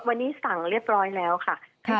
วันนี้สั่งเรียบร้อยแล้วค่ะ